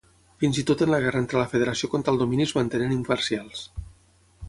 Fins i tot en la guerra entre la Federació contra el Domini es mantenen imparcials.